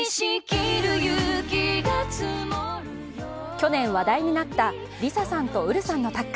去年話題になったＬｉＳＡさんとＵｒｕさんのタッグ。